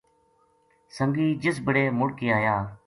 سنگی جس بِڑے مڑ کے آیا